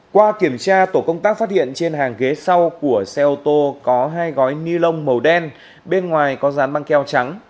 qua kiểm tra tổ công tác phát hiện trên hàng ghế sau của xe ô tô có hai gói ni lông màu đen bên ngoài có dán băng keo trắng